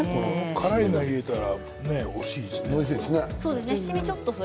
辛いのを入れてもおいしいですね。